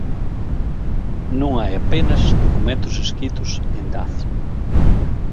Non hai apenas documentos escritos en dacio.